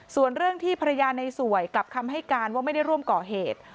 ส่วนเรื่องที่ภรรยาในสวยกลับคำให้การว่าไม่ได้ร่วมก่อเหตุ